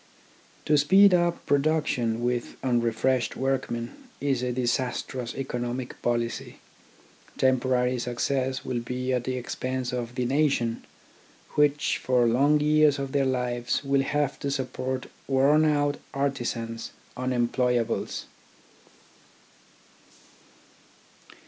To speed up production with unrefreshed workmen is a disastrous economic policy. Tem porary success will be at the expense of the nation, which, for long years of their lives, will have to support worn out artisans— unemployables.